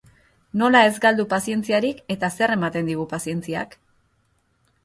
Nola ez galdu pazientziarik eta zer ematen digu pazientziak?